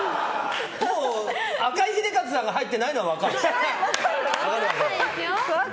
赤井英和さんが入ってないのは分かる。